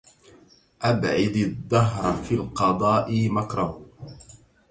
أبعد الدهر في الفضاء مكره